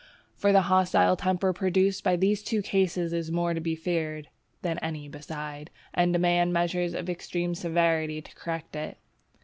For the hostile temper produced by these two causes is more to be feared than any beside, and demands measures of extreme severity to correct it.